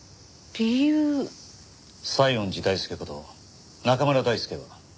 西園寺大輔こと中村大輔は。